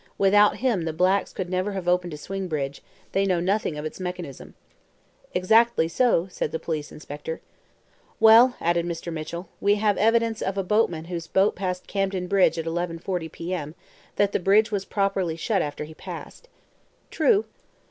Without him the blacks could never have opened a swing bridge; they know nothing of its mechanism." "Exactly so," said the police inspector. "Well," added Mr. Mitchell, "we have the evidence of a boatman whose boat passed Camden Bridge at 10:40 P. M., that the bridge was properly shut after he passed." "True."